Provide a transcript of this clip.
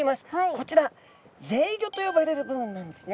こちらぜいごと呼ばれる部分なんですね